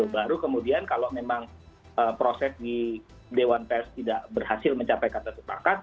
baru kemudian kalau memang proses di dewan pers tidak berhasil mencapai kata sepakat